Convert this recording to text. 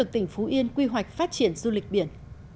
tỉnh phú yên quy hoạch phát triển du lịch biển